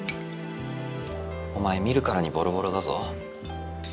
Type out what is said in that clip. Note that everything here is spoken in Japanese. お前見るからにボロボロだぞ。